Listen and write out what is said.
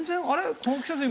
この季節に。